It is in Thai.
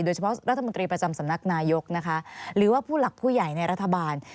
โดยเฉพาะรัฐมนตรีประจำสำนักนายกนะคะหรือว่าผู้หลักผู้ใหญ่ในรัฐบาล